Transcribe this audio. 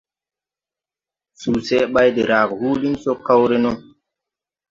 Suseʼ bày de rage huulin so kaw re no.